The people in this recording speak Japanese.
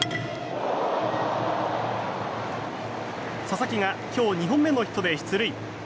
佐々木が今日２本目のヒットで出塁。